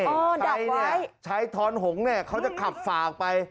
อ๋อดับไว้ใครนี่ใช้ท้อนหงษ์นี่เขาจะขับฝากไป